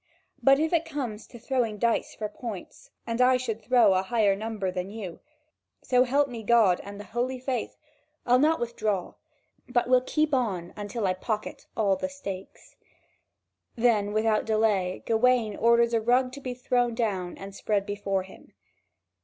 But if it comes to throwing dice for points, and I should throw a higher number than you, so help me God and the holy faith, I'll not withdraw, but will keep on until I pocket all the stakes." Then without delay Gawain orders a rug to be thrown down and spread before him.